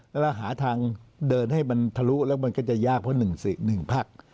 แล้วเราหาทางเดินให้มันทะลุแล้วมันก็จะยากเพราะ๑พัก